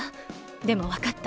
でもわかった。